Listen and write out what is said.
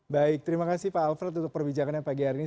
baik terima kasih pak alfred untuk perbincangannya pagi hari ini